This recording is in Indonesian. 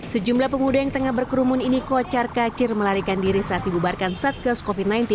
sejumlah pemuda yang tengah berkerumun ini kocar kacir melarikan diri saat dibubarkan satgas covid sembilan belas